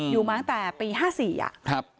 อยู่มาตั้งแต่ปี๕๔อะ